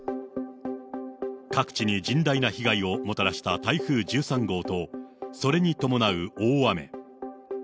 各地に甚大な被害をもたらした台風１３号と、それに伴う大雨。